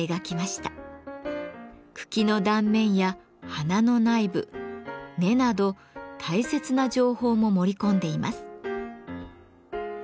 茎の断面や花の内部根など大切な情報も盛り込んでいます。